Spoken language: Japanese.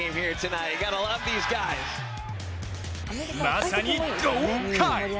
まさに豪快！